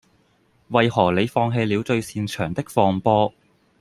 為何你放棄了最擅長的放波